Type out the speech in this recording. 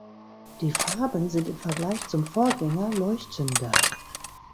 Die Farben sind im Vergleich zum Vorgänger leuchtender.